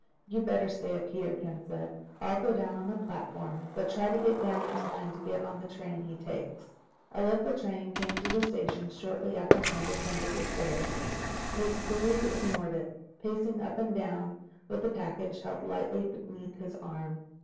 "You'd better stay up here," Ken said. "I'll go down on the platform. But try to get down in time to get on the train he takes." A local train came into the station shortly after Ken descended the stairs. His quarry ignored it, pacing up and down with the package held tightly beneath his arm.